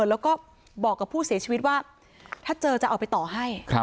แล้วก็บอกกับผู้เสียชีวิตว่าถ้าเจอจะเอาไปต่อให้